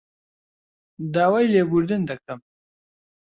داوای لێبوردن دەکەم